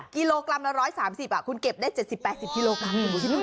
กิโลกรัมละ๑๓๐คุณเก็บได้๗๐๘๐กิโลกรัม